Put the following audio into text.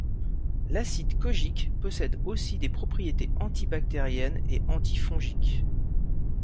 L'acide kojique possède aussi des propriétés antibactérienne et antifongique.